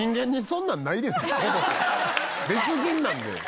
別人なんで。